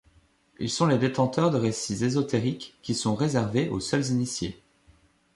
Ils sont les détenteurs de récits ésotériques qui sont réservés aux seuls initiés.